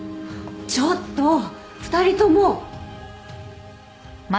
ちょっと２人とも。